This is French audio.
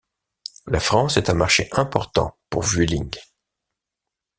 La France est un marché important pour Vueling.